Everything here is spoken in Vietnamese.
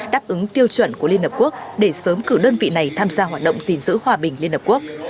đáp ứng tiêu chuẩn của liên hợp quốc để sớm cử đơn vị này tham gia hoạt động gìn giữ hòa bình liên hợp quốc